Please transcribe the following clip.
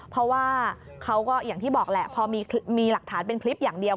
เพราะว่าเขาก็อย่างที่บอกแหละพอมีหลักฐานเป็นคลิปอย่างเดียว